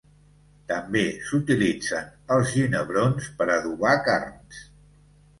També s'utilitzen els ginebrons per adobar carns.